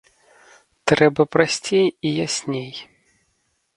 Трэба прасцей і ясней.